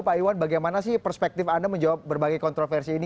pak iwan bagaimana sih perspektif anda menjawab berbagai kontroversi ini